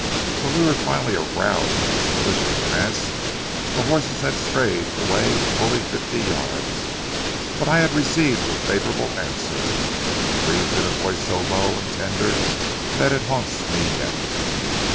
When we were finally aroused from this delicious trance, the horses had strayed away fully fifty yards, but I had received a favorable answer, breathed in a voice so low and tender that it haunts me yet.